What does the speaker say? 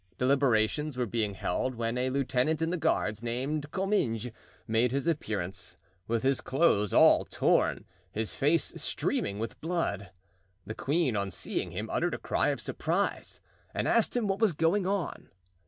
Deliberations were being held when a lieutenant in the guards, named Comminges, made his appearance, with his clothes all torn, his face streaming with blood. The queen on seeing him uttered a cry of surprise and asked him what was going on.